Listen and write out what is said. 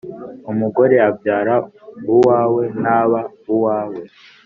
Umugore abyara uwawe ntaba uwawe.